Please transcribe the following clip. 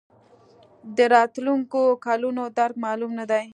د راتلونکو کلونو درک معلوم نه دی.